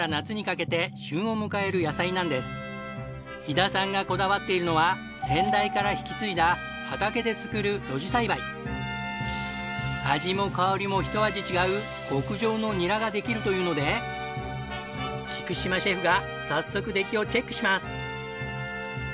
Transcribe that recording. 伊田さんがこだわっているのは先代から引き継いだ畑で作る味も香りもひと味違う極上のニラができるというので菊島シェフが早速出来をチェックします！